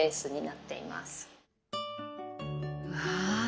うわ。